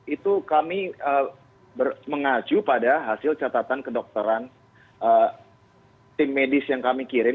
itu kami mengacu pada hasil catatan kedokteran tim medis yang kami kirim